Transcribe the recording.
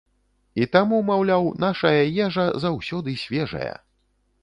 І таму, маўляў, нашая ежа заўсёды свежая.